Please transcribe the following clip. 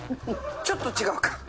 ちょっと違うか。